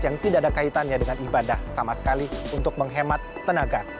yang tidak ada kaitannya dengan ibadah sama sekali untuk menghemat tenaga